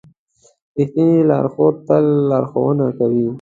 رښتینی لارښود تل لارښوونه کوي.